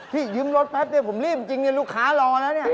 พี่ยืมรถแป๊บเดี๋ยวผมรีบจริงลูกค้ารอแล้วนี่